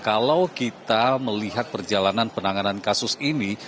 kalau kita melihat perjalanan penanganan kasus ini